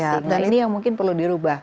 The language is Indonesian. nah ini yang mungkin perlu dirubah